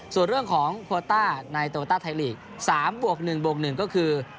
ส่วนเรื่องของโควต้าในโตต้าไทยลีก๓บวก๑บวก๑ก็คือ